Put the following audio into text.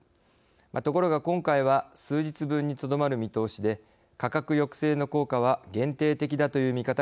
ところが今回は数日分にとどまる見通しで価格抑制の効果は限定的だという見方が出ています。